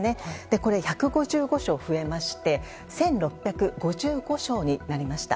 これ、１５５床増えまして１６５５床になりました。